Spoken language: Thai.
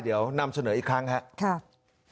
เดี๋ยวนำเสนออีกครั้งครับ